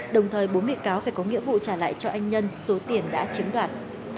đồng thời bốn bị cáo phải có nghĩa vụ trả lại cho anh nhân số tiền đã chiếm đoạt